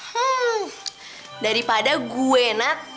hmm daripada gue nat